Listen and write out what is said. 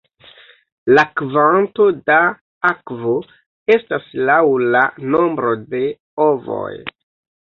La kvanto da akvo estas laŭ la nombro de ovoj.